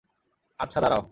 আচ্ছা, দাঁড়াও।